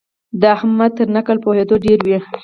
د احمد تر نکل وپوهېدې ډېر وي.